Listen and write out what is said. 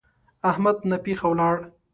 احمد ناپېښه ولاړ.